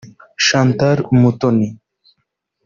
Chantal Umutoni